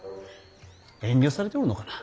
遠慮されておるのかな。